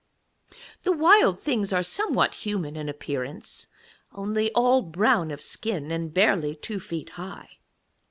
The Wild Things are somewhat human in appearance, only all brown of skin and barely two feet high.